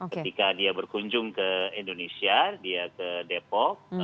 ketika dia berkunjung ke indonesia dia ke depok